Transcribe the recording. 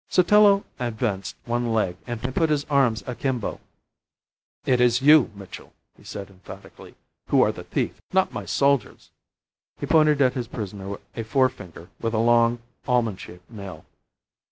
Sotillo advanced one leg and put his arms akimbo. "It is you, Mitchell," he said, emphatically, "who are the thief, not my soldiers!" He pointed at his prisoner a forefinger with a long, almond shaped nail.